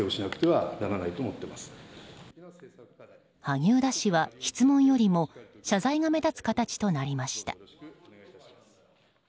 萩生田氏は質問よりも謝罪が目立つ形となりました。